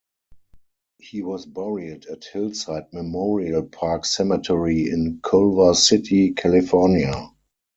He was buried at Hillside Memorial Park Cemetery in Culver City, California.